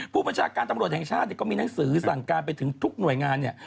ผู้บัญชาการตำรวจแห่งชาติก็มีหนังสือสั่งการไปถึงทุกหน่วยงานเนี่ย